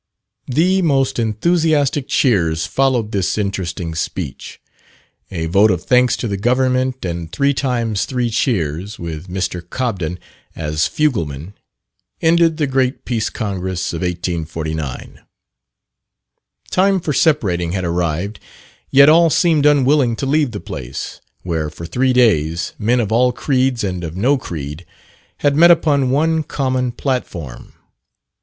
The most enthusiastic cheers followed this interesting speech. A vote of thanks to the government, and three times three cheers, with Mr. Cobden as "fugleman," ended the great Peace Congress of 1849. Time for separating had arrived, yet all seemed unwilling to leave the place, where for three days men of all creeds and of no creed had met upon one common platform.